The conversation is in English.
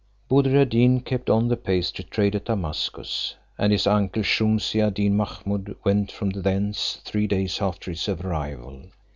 Buddir ad Deen kept on the pastry trade at Damascus, and his uncle Shumse ad Deen Mahummud went from thence three days after his arrival.